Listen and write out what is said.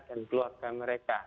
dan keluarga mereka